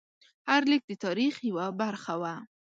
هر لیک د تاریخ یوه برخه وه.